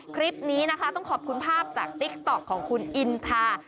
คลิปนี้นะคะต้องขอบคุณภาพจากติ๊กต๊อกของคุณอินทา